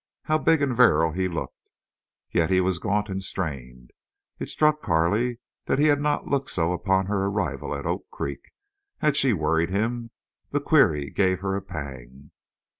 How big and virile he looked! Yet he was gaunt and strained. It struck Carley that he had not looked so upon her arrival at Oak Creek. Had she worried him? The query gave her a pang.